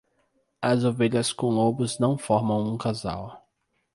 As ovelhas com lobos não formam um casal.